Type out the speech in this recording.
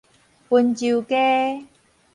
溫州街